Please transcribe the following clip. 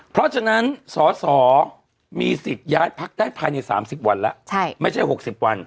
เพราะฉะนั้นสอสอมีสิทธิ์ย้ายพักได้ภายใน๓๐วันแล้วไม่ใช่๖๐วัน